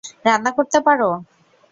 রান্না করতে পারো?